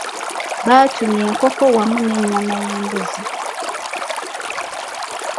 Baatumya enkoko wamu n'ennyama y'embuzi.